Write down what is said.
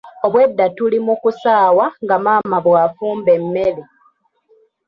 Obwedda tuli mu kusaawa nga maama bw'afumba emmere.